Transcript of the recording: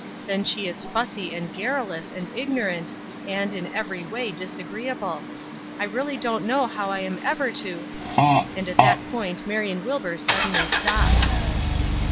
Then she is fussy and garrulous and ignorant, and, in every way, disagreeable. I really don't know how I am ever to —" And at that point Marion Wilbur suddenly stopped.